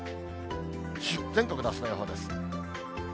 全国のあすの予報です。